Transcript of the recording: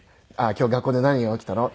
今日学校で何が起きたの？